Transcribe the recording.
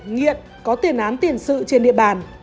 nghiện có tiền án tiền sự trên địa bàn